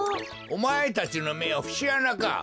おまえたちのめはふしあなか！